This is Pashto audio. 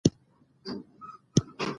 مصدر د فعل مانا ښيي.